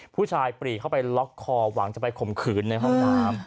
ผู้ชายปรีเข้าไปล็อกคอหวังจะไปข่มขืนในห้องน้ำ